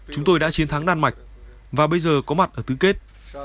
chúng tôi đã chiến thắng đan mạch và bây giờ có mặt ở tứ kết